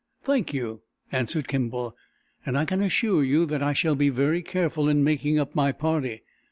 "Thank you," answered Kimball. "And I can assure you that I shall be very careful in making up my party.